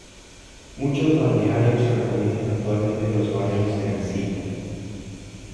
Muchos balnearios recomiendan actualmente los baños de arcilla.